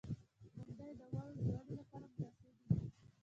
• غونډۍ د ونو د ودې لپاره مناسبې دي.